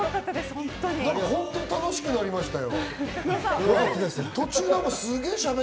本当に楽しくなりましたよ。